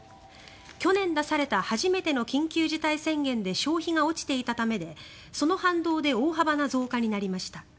去年出された初めての緊急事態宣言で消費が落ちていたためでその反動で大幅な増加になりました。